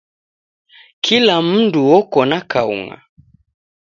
Kula mndu oko na kaung'a.